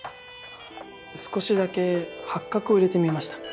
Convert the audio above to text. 少しだけ八角を入れてみました。